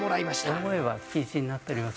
大声は禁止になっております